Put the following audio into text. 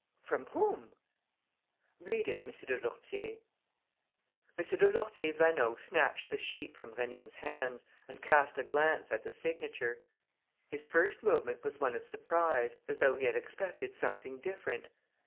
"From whom?" "Read it, M. de Lourtier." M. de Lourtier Vaneau snatched the sheet from Rénine's hands and cast a glance at the signature. His first movement was one of surprise, as though he had expected something different.